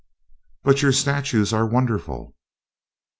"But your statues are wonderful!"